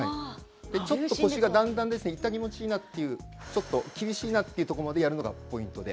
ちょっと腰がだんだん痛気持ちいいなっていうちょっと厳しいなというとこまでやるのがポイントで。